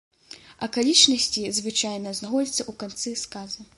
Акалічнасці, звычайна, знаходзяцца ў канцы сказа.